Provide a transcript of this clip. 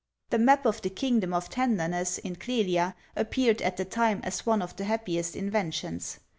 The Map of the Kingdom of Tenderness, in Clelia, appeared, at the time, as one of the happiest inventions.